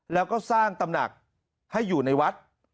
แล้วก็สร้างตำหนักให้อยู่ในวัด